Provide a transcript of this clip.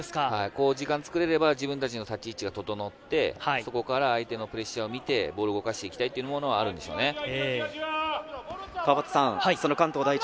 時間を作れれば、自分たちの立ち位置が整って、そこから相手のプレッシャーを見てボールを動かしていきたいっていうのがあるでしょうね。